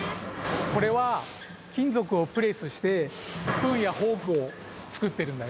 これはきんぞくをプレスしてスプーンやフォークをつくってるんだよ。